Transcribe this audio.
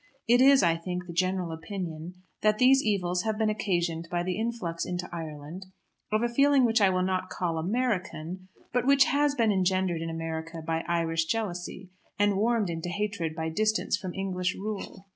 It is, I think, the general opinion that these evils have been occasioned by the influx into Ireland of a feeling which I will not call American, but which has been engendered in America by Irish jealousy, and warmed into hatred by distance from English rule.